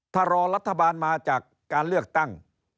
ถ้ารอรัฐบาลมาจากการเลือกตั้ง